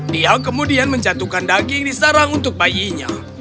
dia kemudian menjatuhkan daging di sarang untuk bayinya